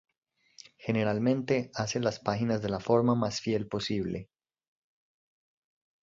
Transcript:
Generalmente, hace las páginas de la forma más fiel posible.